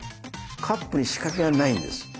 カップに仕掛けはないんです。